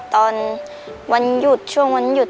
ตอนวันหยุดช่วงวันหยุด